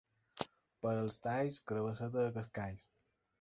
Per als talls, carabasseta de cascalls.